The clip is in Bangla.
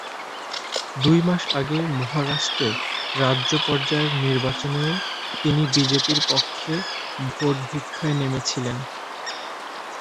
দুই মাস আগে মহারাষ্ট্রে রাজ্য পর্যায়ের নির্বাচনেও তিনি বিজেপির পক্ষে ভোটভিক্ষায় নেমেছিলেন।